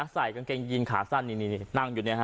ใส่กางเกงยีนขาสั้นนี่นั่งอยู่เนี่ยฮะ